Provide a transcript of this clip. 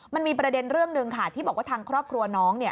มันมีประเด็นเรื่องหนึ่งค่ะที่บอกว่าทางครอบครัวน้องเนี่ย